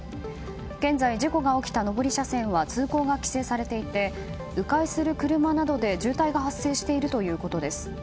現在事故が起きた上り車線は通行が規制されていて迂回する車などで渋滞が発生しているということです。